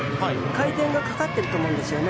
回転がかかってると思うんですよね。